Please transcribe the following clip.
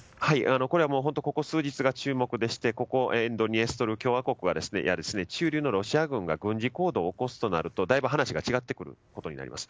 ここ数日が注目でして沿ドニエストル共和国に駐留のロシア軍が軍事行動を起こすとなるとだいぶ、話が違ってきます。